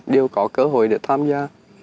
đều có cơ hội để tham gia